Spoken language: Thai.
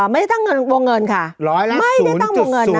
ไม่ได้ตั้งวงเงินค่ะไม่ได้ตั้งวงเงินนะ